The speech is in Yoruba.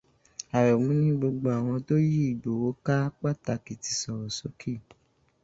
Àrẹ̀mú ní gbogbo àwọn tó yí Ìgbòho ká pàtàkì ti sọ̀rọ̀ sókè.